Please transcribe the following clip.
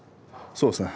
そうですね。